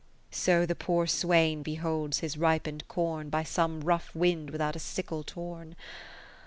So the poor swain beholds his ripen'd corn Ey some rough wind without a sickle torn.